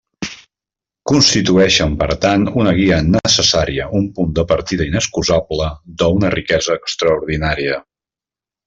Constitueixen per tant una guia necessària, un punt de partida inexcusable, d'una riquesa extraordinària.